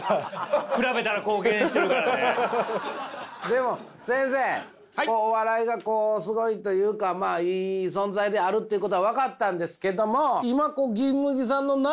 でも先生お笑いがこうすごいというかまあいい存在であるっていうことは分かったんですけども。